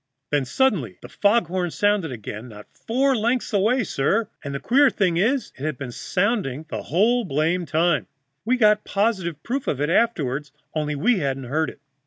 "Then suddenly the fog horn sounded again, not four lengths away, sir, and the queer thing is it had been sounding the whole blamed time we got positive proof of it afterward only we hadn't heard it.